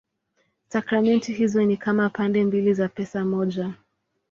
Sakramenti hizo ni kama pande mbili za pesa moja.